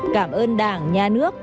cảm ơn đảng nhà nước